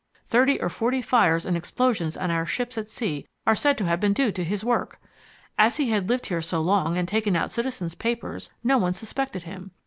Thirty or forty fires and explosions on our ships at sea are said to have been due to his work. As he had lived here so long and taken out citizen's papers, no one suspected him.